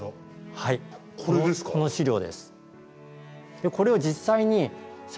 この資料です。